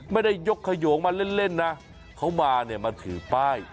ไม่ได้ยกขยงมาเล่นนะเขามาเนี่ยมาถือป้าย